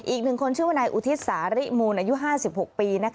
อีกหนึ่งคนชื่อว่านายอุทิศสาริมูลอายุ๕๖ปี